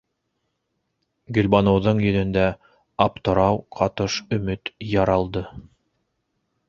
Гөлбаныуҙың йөҙөндә аптырау ҡатыш өмөт яралды: